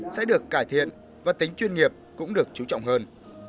sẽ được cải thiện và tính chuyên nghiệp cũng được chú trọng hơn